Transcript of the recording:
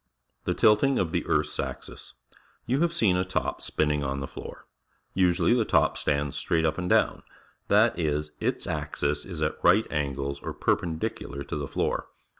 The Tilting of the Earth's Axis. — You have seen a top spinning on the floor. Usually the top stands straight up and down; that is, its axis is at r i g h t angles, or per pendicular, to the fl o o r